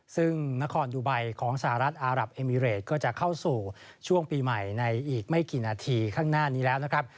ซึ่งนครดูไบของสหรัฐอารับเอมิเรตก็จะเข้าสู่ช่วงปีใหม่ในอีกไม่กี่นาทีข้างหน้านี้แล้วนะครับ